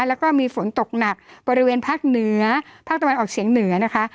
แล้วก็มีฝนตกหนักบริเวณภาคเหนือภาคตะวันออกเฉียงเหนือนะคะ